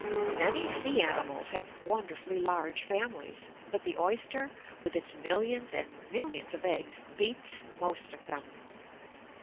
Many sea animals have wonderfully large families, but the Oyster, with its millions and millions of eggs, beats most of them.